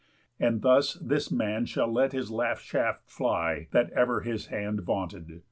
And thus this man shall let his last shaft fly That ever his hand vaunted."